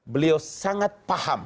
beliau sangat paham